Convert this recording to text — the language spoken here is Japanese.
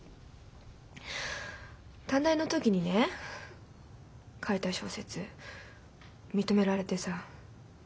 短大の時にね書いた小説認められてさ。